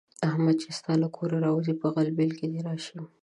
احمده! چې ستا له کوره راځي؛ په غلبېل کې دې راشي.